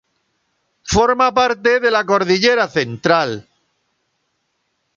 Forma parte de la Cordillera Central.